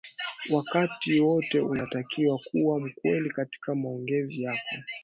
wakati wote unatakiwa kuwa mkweli katika maongezi yako